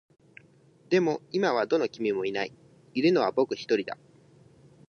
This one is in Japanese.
でも、今はどの君もいない。いるのは僕一人だ。